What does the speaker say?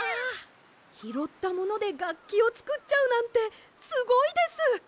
ひろったものでがっきをつくっちゃうなんてすごいです！